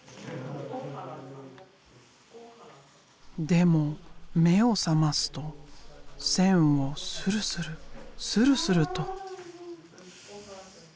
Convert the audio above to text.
でも目を覚ますと線をスルスルスルスルと。